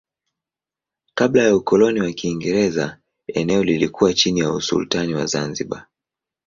Kabla ya ukoloni wa Kiingereza eneo lilikuwa chini ya usultani wa Zanzibar.